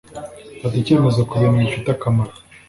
fata icyemezo ku bintu bifite akamaro